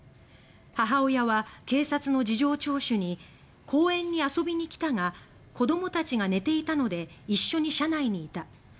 母親は警察の事情聴取に「公園に遊びに来たが子どもたちが寝ていたので一緒に車内にいた」